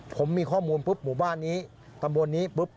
ผมมีข้อมูลปุ๊บหมู่บ้านนี้ตำบลนี้ปุ๊บ